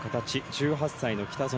１８歳の北園